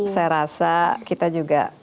saya rasa kita juga